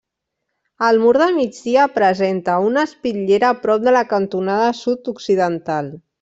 El mur de migdia presenta una espitllera prop de la cantonada sud-occidental.